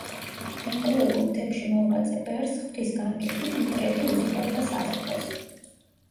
მიყრუებულ მთებში მოღვაწე ბერს, ღვთის განგებით, მტრედი უზიდავდა საზრდოს.